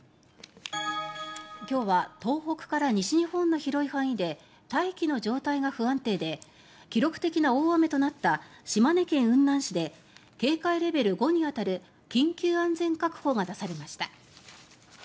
今日は東北から西日本の広い範囲で大気の状態が不安定で記録的な大雨となった島根県雲南市で警戒レベル５に当たる緊急安全確保が出されました。